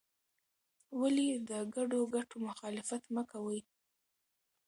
ولې د ګډو ګټو مخالفت مه کوې؟